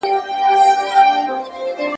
هغه د پوهني لپاره ډېر خدمتونه کړي دي.